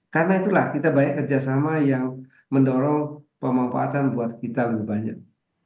karena itulah kita banyak kerjasama yang mendorong pemanfaatan buat kita lebih banyak